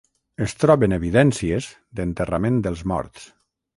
Es troben evidències d'enterrament dels morts.